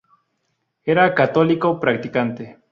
Era católico practicante.